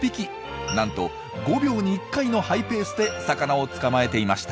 なんと５秒に１回のハイペースで魚を捕まえていました。